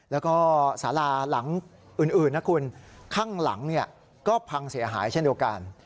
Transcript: แล้วก็สาราหลังอื่นนะคุณข้างหลังก็พังเสียหายเช่นเดียวกัน